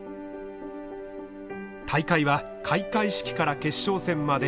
大会は開会式から決勝戦まで大入り満員。